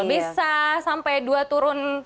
bisa sampai dua tahun